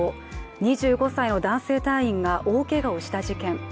２５歳の男性隊員が大けがをした事件。